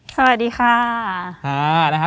สวัสดีค่ะ